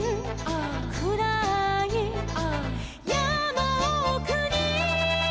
「くらーい」「」「やまおくに」